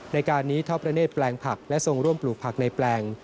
ในการนี้ท่อพระเนธแปลงผักและทรงร่วมปลูกผักในแปลง